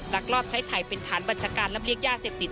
ลักลอบใช้ไทยเป็นฐานบัญชาการลำเลียงยาเสพติด